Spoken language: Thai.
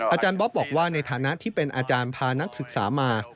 อาจารย์บ๊อบบอกว่าในฐานะที่เป็นอาจารย์พานักศึกษามา